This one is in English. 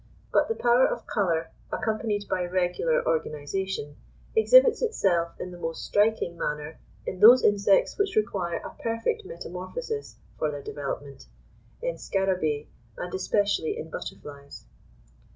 But the power of colour, accompanied by regular organisation, exhibits itself in the most striking manner in those insects which require a perfect metamorphosis for their development in scarabæ, and especially in butterflies.